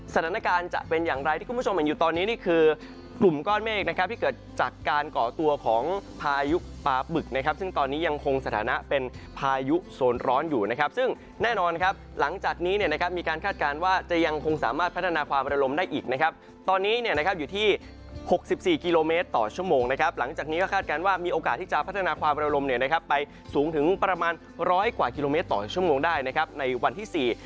สถานการณ์จะเป็นอย่างไรที่คุณผู้ชมเห็นอยู่ตอนนี้นี่คือกลุ่มก้อนเมฆนะครับที่เกิดจากการก่อตัวของพายุปลาบึกนะครับซึ่งตอนนี้ยังคงสถานะเป็นพายุโซนร้อนอยู่นะครับซึ่งแน่นอนครับหลังจากนี้เนี่ยนะครับมีการคาดการณ์ว่าจะยังคงสามารถพัฒนาความระลมได้อีกนะครับตอนนี้เนี่ยนะครับอยู่ที่๖๔กิโลเมตรต่อ